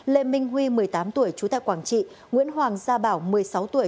lê minh huy một mươi tám tuổi trú tại quảng trị nguyễn hoàng gia bảo một mươi sáu tuổi